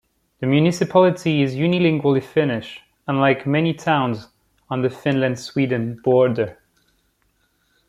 The municipality is unilingually Finnish, unlike many towns on the Finland-Sweden border.